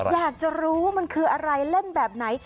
อยากจะรู้ว่ามันคืออะไรเล่นแบบไหน